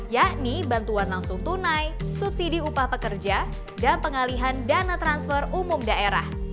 yakni bantuan langsung tunai subsidi upah pekerja dan pengalihan dana transfer umum daerah